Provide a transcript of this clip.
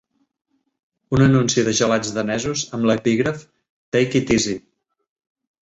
Un anunci de gelats danesos amb l'epígraf, "Take it Is'i".